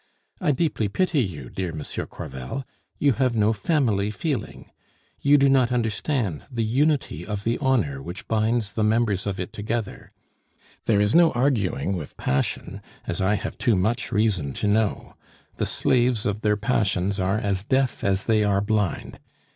I deeply pity you, dear Monsieur Crevel; you have no family feeling; you do not understand the unity of the honor which binds the members of it together. There is no arguing with passion as I have too much reason to know. The slaves of their passions are as deaf as they are blind.